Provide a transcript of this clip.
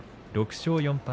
６勝４敗